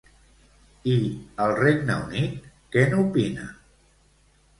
I el Regne Unit, què n'opina?